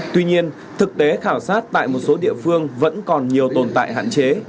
tuy nhiên thực tế khảo sát tại một số địa phương vẫn còn nhiều tồn tại hạn chế